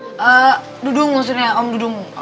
eh dudung maksudnya om dudung